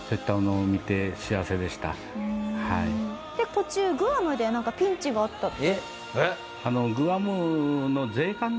途中グアムでなんかピンチがあったって。